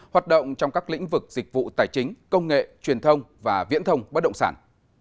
hoạt động trong các lĩnh vực dịch vụ tài chính công nghệ truyền thông và viễn thông bất động sản